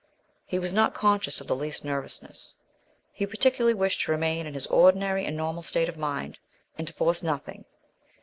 He was not conscious of the least nervousness. He particularly wished to remain in his ordinary and normal state of mind, and to force nothing.